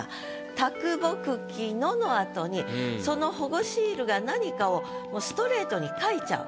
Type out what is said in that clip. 「啄木忌の」の後にその保護シールが何かをストレートに書いちゃう。